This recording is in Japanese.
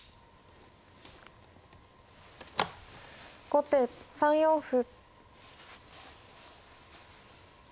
後手３四歩。